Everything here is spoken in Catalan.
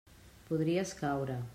Podries caure.